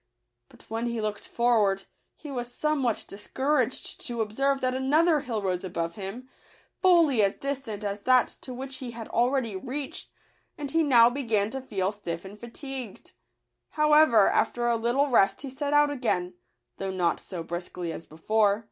But when he looked forward, he was some what discouraged to observe that another hill rose above him, fully as distant as that to which he had already reached ; and lie now began to feel stiff and fatigued. How ever, after a little rest he set out again, though not so briskly as before.